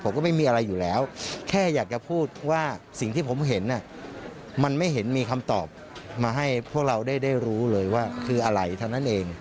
ก็ไม่มีอะไรอยู่แล้วแค่อยากจะพูดว่าสิ่งที่ผมเห็นมันไม่เห็นมีคำตอบมาให้พวกเราได้รู้เลยว่าคืออะไรเท่านั้นเอง